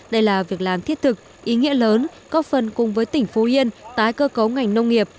đây là việc làm thiết thực ý nghĩa lớn góp phần cùng với tỉnh phú yên tái cơ cấu ngành nông nghiệp